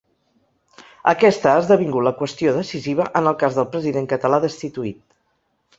Aquesta ha esdevingut la qüestió decisiva en el cas del president català destituït.